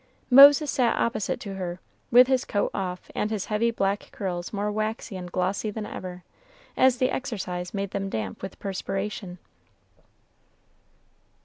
Moses sat opposite to her, with his coat off, and his heavy black curls more wavy and glossy than ever, as the exercise made them damp with perspiration.